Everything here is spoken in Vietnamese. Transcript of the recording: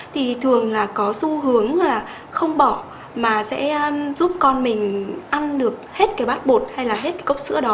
thì thường là có xu hướng là không bỏ mà sẽ giúp con mình ăn được hết cái bát bột hay là hết cái cốc sữa đó